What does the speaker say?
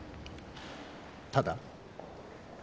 ただ？